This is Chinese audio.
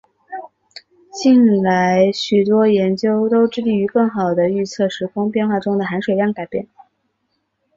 近来许多研究都致力于更好地预测时空变化中的含水量改变。